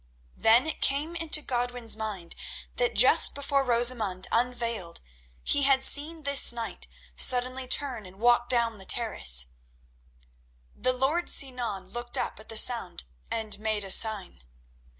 Then it came into Godwin's mind that just before Rosamund unveiled he had seen this knight suddenly turn and walk down the terrace. The lord Sinan looked up at the sound and made a sign.